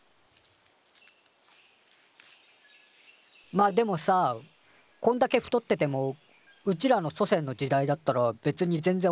まっでもさこんだけ太っててもうちらの祖先の時代だったら別に全然オッケーだったわけでしょ？